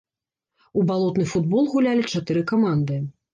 У балотны футбол гулялі чатыры каманды.